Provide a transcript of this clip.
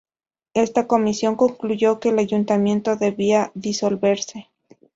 Esta comisión concluyó que el ayuntamiento debía disolverse.